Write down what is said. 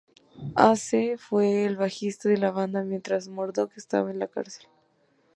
Ace fue el bajista de la banda, mientras Murdoc estaba en la cárcel.